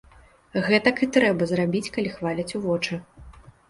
Гэтак і трэба зрабіць, калі хваляць у вочы.